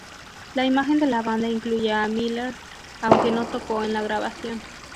La imagen de la banda incluye a Miller, aunque no tocó en la grabación.